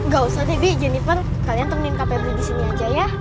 gak usah debbie jennifer kalian temenin kak febri di sini aja ya